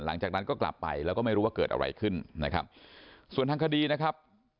หลังจากนั้นก็กลับไปแล้วก็ไม่รู้ว่าเกิดอะไรขึ้นนะครับส่วนทางคดีนะครับ